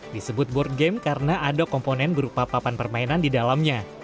disebut board game karena ada komponen berupa papan permainan di dalamnya